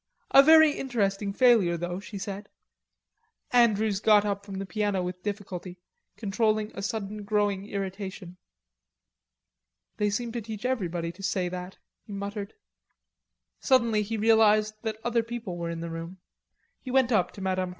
A very interesting failure though," she said. Andrews got up from the piano with difficulty, controlling a sudden growing irritation. "They seem to teach everybody to say that," he muttered. Suddenly he realized that other people were in the room. He went up to Mme.